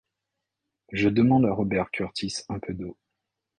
Je demande à Robert Kurtis un peu d’eau.